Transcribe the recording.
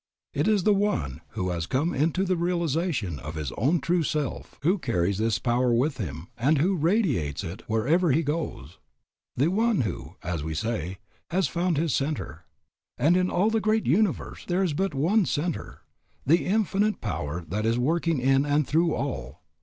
It is the one who has come into the realization of his own true self who carries this power with him and who radiates it wherever he goes, the one who, as we say, has found his centre. And in all the great universe there is but one centre, the Infinite Power that is working in and through all.